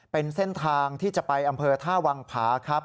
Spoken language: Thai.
เป็นเส้นทางที่จะไปอำเภอท่าวังผาครับ